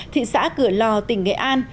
thị xã cửa lò tỉnh nghệ an